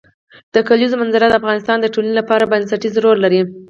د کلیزو منظره د افغانستان د ټولنې لپاره بنسټيز رول لري.